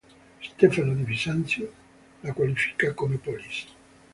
Stefano di Bisanzio la qualifica come polis.